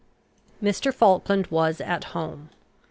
Mr. Falkland was at home.